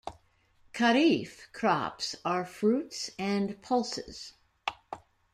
Kharif crops are fruits and pulses.